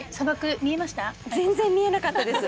全然見えなかったです。